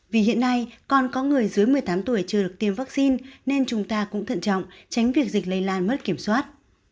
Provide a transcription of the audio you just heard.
vì hiện nay còn có người dưới một mươi tám tuổi chưa được tiêm vaccine nên chúng ta cũng thận trọng tránh việc dịch lây lan mất kiểm soát